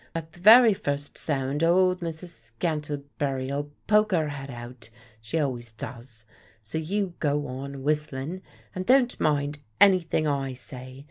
At the very first sound old Mrs. Scantlebury'll poke her head out, she always does. So you go on whistlin', and don't mind anything I say.